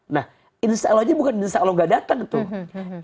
nah insya allahnya bukan insya allah gak datang tuh